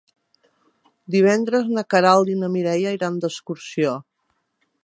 Divendres na Queralt i na Mireia iran d'excursió.